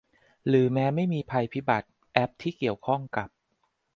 หรือแม้ไม่มีภัยพิบัติแอปที่เกี่ยวข้องกับ